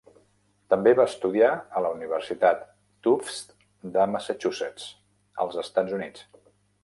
També va estudiar a la Universitat Tufts de Massachusetts, als Estats Units.